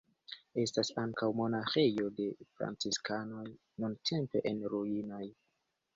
Estas ankaŭ monaĥejo de franciskanoj nuntempe en ruinoj.